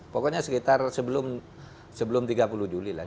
pokoknya sekitar sebelum tiga puluh juli lah